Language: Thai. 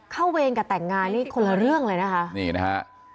เวรกับแต่งงานนี่คนละเรื่องเลยนะคะนี่นะฮะ